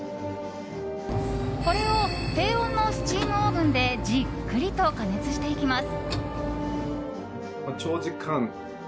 これを低温のスチームオーブンでじっくりと加熱していきます。